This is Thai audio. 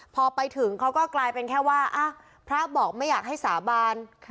พอไปถึงเขาก็กลายเป็นแค่ว่าพระบอกไม่อยากให้สาบาน